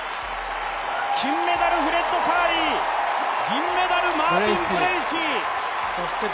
金メダル、フレッド・カーリー銀メダル、マービン・ブレーシー